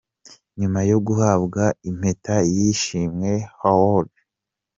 Nyuma yo guhabwa Impeta y’Ishimwe, Howard G.